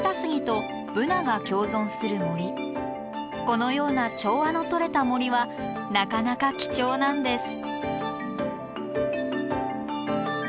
このような調和のとれた森はなかなか貴重なんです。